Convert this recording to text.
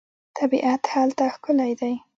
طبیعت هلته ښکلی دی.